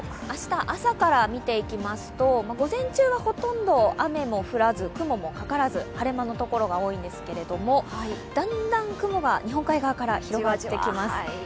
明日、朝から見ていきますと、午前中はほとんど雨も降らず雲もかからず、晴れ間のところが多いんですけれども、だんだん雲が日本海側から広がっていきます。